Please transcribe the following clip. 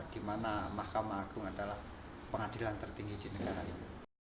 di mana mahkamah agung adalah pengadilan tertinggi di negara ini